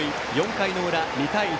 ４回の裏、２対１。